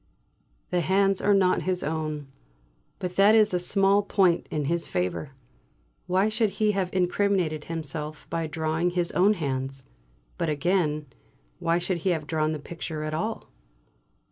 The hands are not his own; but that is a small point in his favour. Why should he have incriminated himself by drawing his own hands? But again, why should he have drawn the picture at all?